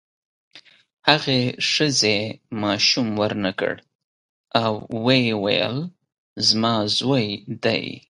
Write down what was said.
هغې ښځې ماشوم ورنکړ او ویې ویل زما زوی دی.